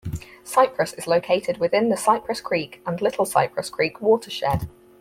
Cypress is located within the Cypress Creek and Little Cypress Creek watershed.